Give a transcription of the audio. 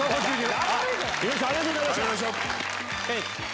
猪木さんありがとうございました。